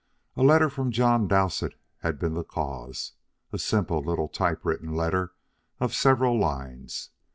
A letter from John Dowsett had been the cause a simple little typewritten letter of several lines.